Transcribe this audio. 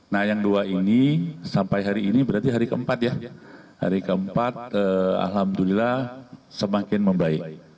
nah yang dua ini sampai hari ini berarti hari keempat ya hari keempat alhamdulillah semakin membaik